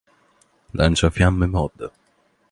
Lanciafiamme Mod.